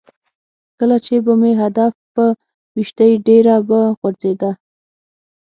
کله چې به مې هدف په ویشتی ډېره به غورځېده.